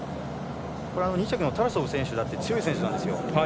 ２着のタラソフ選手だって強い選手なんですよ。